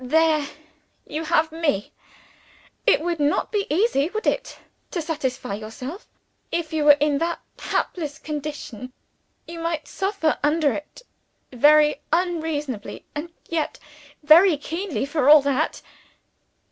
There you have Me! It would not be easy, would it, to satisfy yourself; if you were in that helpless condition? You might suffer under it very unreasonably and yet very keenly for all that."